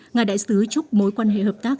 ngài đại sứ chúc mối quan hệ hợp tác